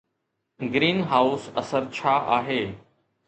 Green house اثر ڇا آهي؟